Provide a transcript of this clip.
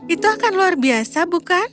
itu akan luar biasa bukan